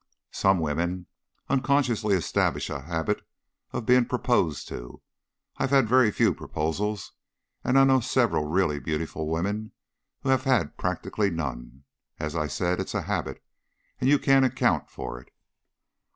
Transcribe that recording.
"Some women unconsciously establish a habit of being proposed to. I've had very few proposals, and I know several really beautiful women who have had practically none. As I said, it's a habit, and you can't account for it."